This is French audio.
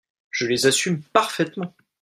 Je les assume parfaitement.